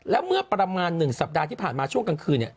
แล้วเมื่อประมาณ๑สัปดาห์ที่ผ่านมาช่วงกลางคืน